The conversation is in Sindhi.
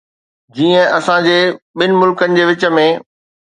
جيئن اسان جي ٻن ملڪن جي وچ ۾.